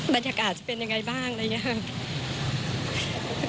บรรยากาศจะเป็นยังไงบ้างอะไรอย่างนี้ค่ะ